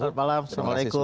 selamat malam assalamualaikum